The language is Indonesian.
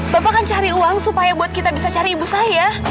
bapak kan cari uang supaya buat kita bisa cari ibu saya